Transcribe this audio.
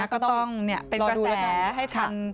ก็ต้องเป็นกระแสให้ทัน